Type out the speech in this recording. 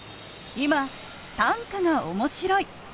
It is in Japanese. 今短歌が面白い。